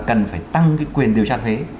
cần phải tăng cái quyền điều tra thuế